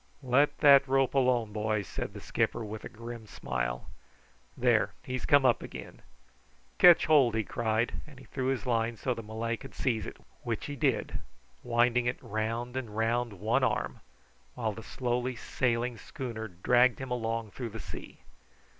"Let that rope alone, boy," said the skipper with a grim smile. "There, he's come up again. Ketch hold!" he cried, and he threw his line so that the Malay could seize it, which he did, winding it round and round one arm, while the slowly sailing schooner dragged him along through the sea.